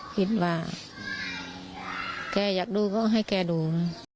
คิดว่าแกอยากดูก็ให้แกดู